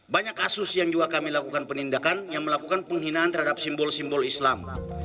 banyak kasus yang juga kami lakukan penindakan yang melakukan penghinaan terhadap simbol simbol islam